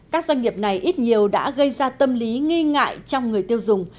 các doanh nghiệp này ít nhiều đã gây ra tâm lý nghi ngại trong người tiêu dùng